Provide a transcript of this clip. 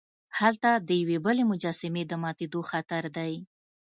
هلته د یوې بلې مجسمې د ماتیدو خطر دی.